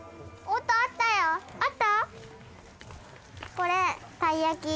これたい焼き。